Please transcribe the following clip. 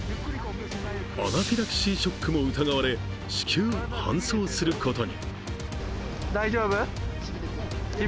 アナフィラキシーショックも疑われ至急搬送することに。